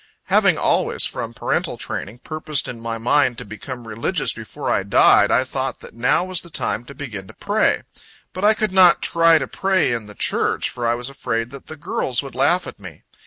Having always, from parental training, purposed in my mind to become religious before I died, I thought that now was the time to begin to pray. But I could not try to pray in the church, for I was afraid that the girls would laugh at me.